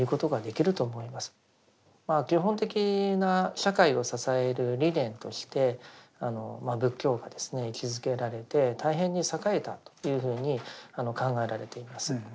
基本的な社会を支える理念として仏教が位置づけられて大変に栄えたというふうに考えられています。